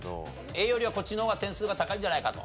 Ａよりはこっちの方が点数が高いんじゃないかと。